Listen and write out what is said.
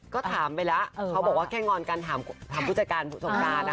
ก็ถามไปแล้วเขาบอกว่าแค่งอนการถามผู้จัดการสงกรานนะคะ